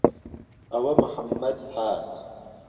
ئەوه محەممەد هات